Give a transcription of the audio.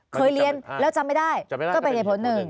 เคยเรียนแล้วจำไม่ได้ก็เป็นเหตุผลหนึ่ง